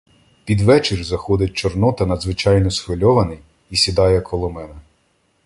Під вечір заходить Чорнота, надзвичайно схвильований, і сідає коло мене.